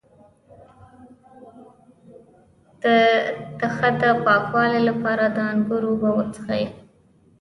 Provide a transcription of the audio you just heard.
د تخه د پاکوالي لپاره د انګور اوبه وڅښئ